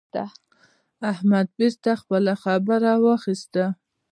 احمد بېرته خپله خبره واخيسته.